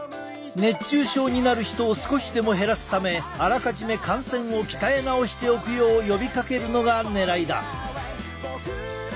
熱中症になる人を少しでも減らすためあらかじめ汗腺を鍛え直しておくよう呼びかけるのがねらいだ。